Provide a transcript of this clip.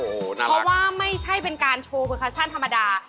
เพราะว่าไม่ใช่เป็นการโชว์เฟอร์คชั่นธรรมดา